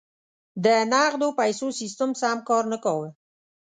د نغدو پیسو سیستم سم کار نه کاوه.